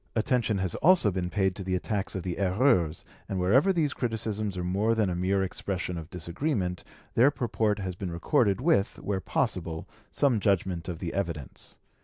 Attention has also been paid to the attacks of the 'Erreurs', and wherever these criticisms are more than a mere expression of disagreement, their purport has been recorded with, where possible, some judgment of the evidence.